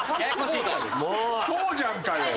そうじゃんかよ。